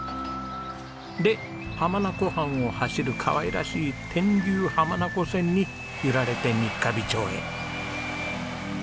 で浜名湖畔を走るかわいらしい天竜浜名湖線に揺られて三ヶ日町へ。